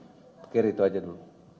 pikir itu aja dulu